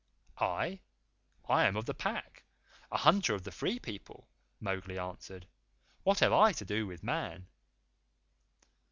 "I? I am of the Pack a hunter of the Free People," Mowgli answered. "What have I to do with Man?"